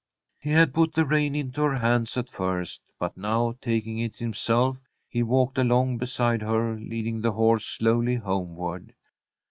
He had put the rein into her hands at first, but now, taking it himself, he walked along beside her, leading the horse slowly homeward.